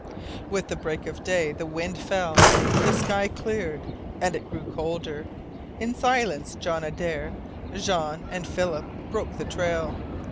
With the break of day the wind fell, the sky cleared, and it grew colder. In silence John Adare, Jean, and Philip broke the trail.